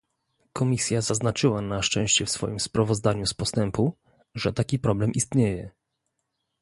Komisja zaznaczyła na szczęście w swoim sprawozdaniu z postępu, że taki problem istnieje